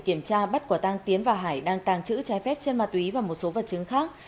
kiểm tra bắt quả tăng tiến và hải đang tàng trữ trái phép chân ma túy và một số vật chứng khác